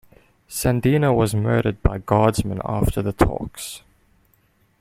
Sandino was murdered by Guardsmen after the talks.